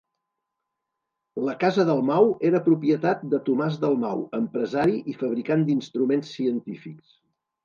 La casa Dalmau era propietat de Tomàs Dalmau, empresari i fabricant d'instruments científics.